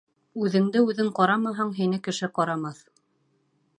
Үҙенде-үҙең ҡарамаһаң, Һине кеше ҡарамаҫ.